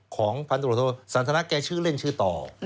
ของพันธุรโทษสันทนาแกชื่อเล่นชื่อต่อ